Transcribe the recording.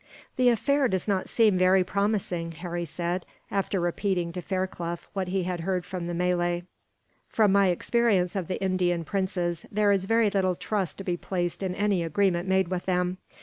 "The affair does not seem very promising," Harry said, after repeating to Fairclough what he had heard from the Malay. "From my experience of the Indian princes, there is very little trust to be placed in any agreement made with them.